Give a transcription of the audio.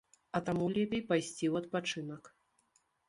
А таму лепей пайсці ў адпачынак.